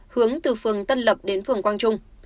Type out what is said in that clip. hướng từ phường tân lập đến phường quang trung